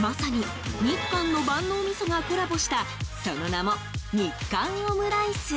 まさに日韓の万能みそがコラボしたその名も、日韓オムライス。